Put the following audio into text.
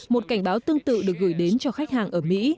một cảnh báo tương tự được gửi đến cho khách hàng ở mỹ